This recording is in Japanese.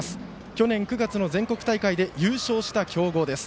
去年９月の全国大会で優勝した強豪です。